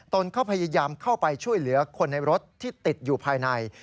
ตนก็พยายามเข้าไปช่วยเหลือคนในรถที่ติดอยู่ภายใน